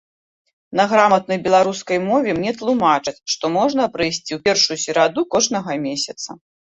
На граматнай беларускай мове мне тлумачаць, што можна прыйсці ў першую сераду кожнага месяца.